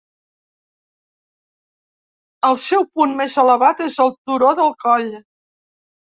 El seu punt més elevat és el Turó del Coll.